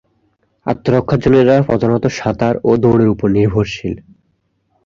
আত্মরক্ষার জন্য এরা প্রধানত সাঁতার ও দৌড়ের উপর নির্ভরশীল।